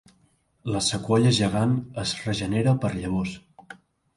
La sequoia gegant es regenera per llavors.